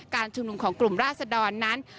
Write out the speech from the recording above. การชุมนุมของกลุ่มราศดรนั้น